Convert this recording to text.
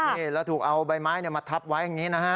นี่แล้วถูกเอาใบไม้มาทับไว้อย่างนี้นะฮะ